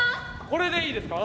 これでいいですか？